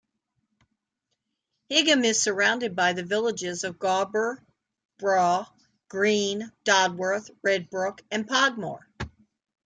Higham is surrounded by the villages of Gawber, Barugh Green, Dodworth, Redbrook and Pogmoor.